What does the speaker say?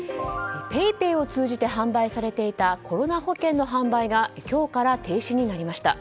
ＰａｙＰａｙを通じて販売されていたコロナ保険の販売が今日から停止になりました。